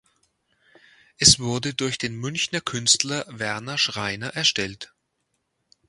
Es wurde durch den Münchner Künstler Werner Schreiner erstellt.